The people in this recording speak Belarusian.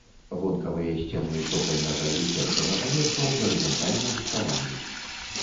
Вонкавыя сцены цокальнага і першага паверхаў гарызантальна руставаны.